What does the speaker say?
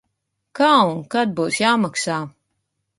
Kā un kad būs jāmaksā?